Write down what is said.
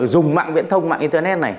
dùng mạng viễn thông mạng internet này